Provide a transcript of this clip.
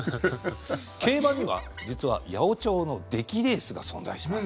競馬には、実は八百長の出来レースが存在します